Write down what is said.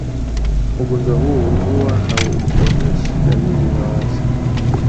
Ugonjwa huo huwa hauonyeshi dalili za wazi